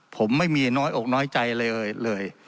ผมไม่มีน้อยอกน้อยใจเลยเลย